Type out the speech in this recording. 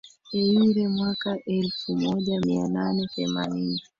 Eire mwaka elfu moja mia nane themanini